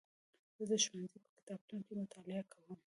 زه د ښوونځي په کتابتون کې مطالعه کوم.